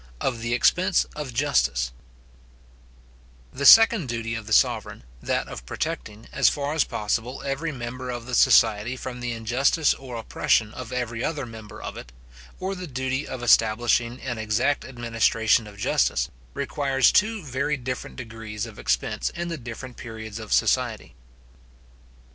Of the Expense of Justice The second duty of the sovereign, that of protecting, as far as possible, every member of the society from the injustice or oppression of every other member of it, or the duty of establishing an exact administration of justice, requires two very different degrees of expense in the different periods of society.